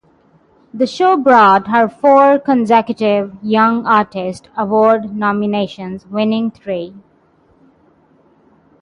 The show brought her four consecutive Young Artist Award nominations, winning three.